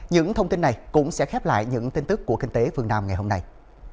những thông tin này cũng sẽ khép lại những tin tức của kinh tế phương nam ngày hôm nay